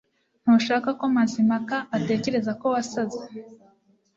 Ntushaka ko Mazimpaka atekereza ko wasaze